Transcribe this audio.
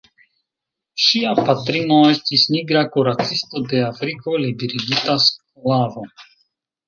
Ŝia patrino estis nigra kuracisto de Afriko, liberigita sklavo.